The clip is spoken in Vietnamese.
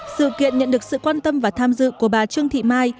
sự kiện nhận được sự quan tâm và tham dự của bà trương thị mai